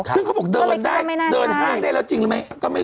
ซึ่งเขาบอกเดินได้เดินห้างได้แล้วจริงหรือไม่